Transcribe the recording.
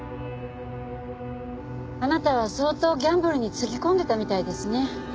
あなたは相当ギャンブルにつぎ込んでたみたいですね。